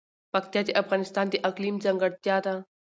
پکتیا د افغانستان د اقلیم ځانګړتیا ده.